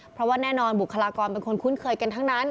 เพราะว่าแน่นอนบุคลากรเป็นคนคุ้นเคยกันทั้งนั้น